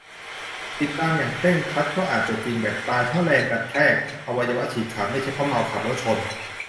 คิดตามอย่างเคร่งครัดก็อาจจะจริง แบบ ตายเพราะแรงกระแทก อวัยวะฉีดขาด ไม่ใช่เพราะเมาขับแล้วชน ?